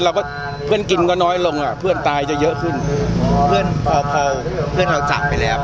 เพื่อนกินก็น้อยลงอ่ะเพื่อนตายจะเยอะขึ้นเพื่อนพอพอเพื่อนเราจากไปแล้ว